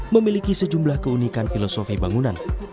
memiliki sejumlah keunikan filosofi bangunan